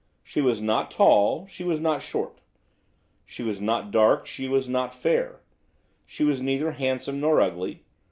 She was not tall, she was not short; she was not dark, she was not fair; she was neither handsome nor ugly.